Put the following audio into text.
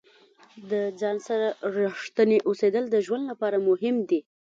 د ځان سره ریښتیني اوسیدل د ژوند لپاره مهم دي.